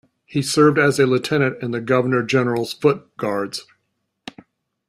He served as a lieutenant in the Governor General's Foot Guards.